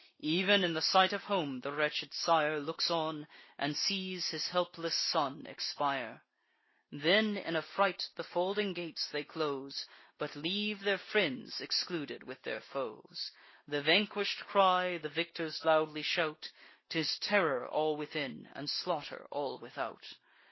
Ev'n in the sight of home, the wretched sire Looks on, and sees his helpless son expire. Then, in a fright, the folding gates they close, But leave their friends excluded with their foes. The vanquish'd cry; the victors loudly shout; 'Tis terror all within, and slaughter all without.